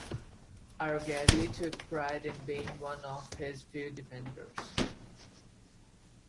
Arghezi took pride in being one of his few defenders.